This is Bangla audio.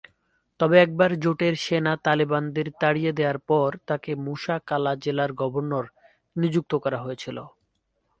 তবে একবার জোটের সেনা তালেবানদের তাড়িয়ে দেওয়ার পরে তাকে মুসা কালা জেলার গভর্নর নিযুক্ত করা হয়েছিল।